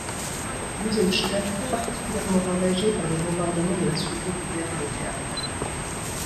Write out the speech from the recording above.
Luisenstadt est particulièrement ravagée par les bombardements de la Seconde Guerre mondiale.